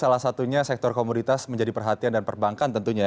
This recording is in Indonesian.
salah satunya sektor komoditas menjadi perhatian dan perbankan tentunya ya